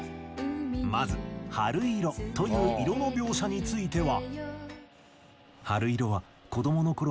まず「春色」という色の描写については。